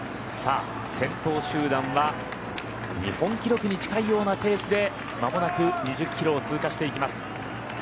先頭集団は日本記録に近いようなペースで間もなく２０キロを通過していきます。